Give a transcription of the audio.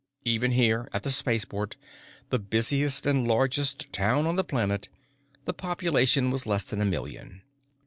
Even here, at the spaceport, the busiest and largest town on the planet, the population was less than a million.